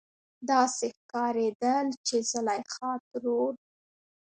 داسې ښکارېدل چې زليخا ترور